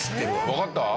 わかった？